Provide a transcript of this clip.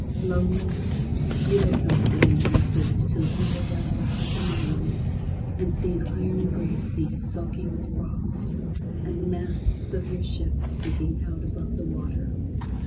Lonely? You don't know what loneliness is till you look out of a hut in the morning and see an iron grey sea sulky with frost, and the masts of your ship sticking out above the water.